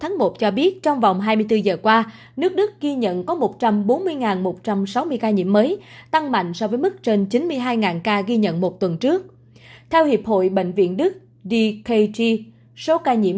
khi vọng quý vị và các bạn quan tâm theo dõi